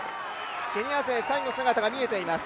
ケニア勢２人の姿が見えています。